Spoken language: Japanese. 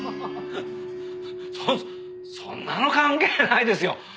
そそんなの関係ないですよ。